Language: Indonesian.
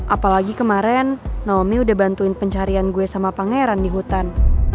apalagi kemarin naomi udah bantuin pencarian gue sama pangeran di hutan